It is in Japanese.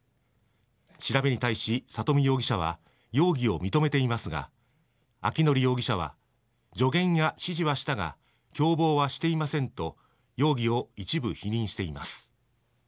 調べに対し佐登美容疑者は容疑を認めていますが明範容疑者は助言や指示はしたが共謀はしていませんと容疑を一部否認しています。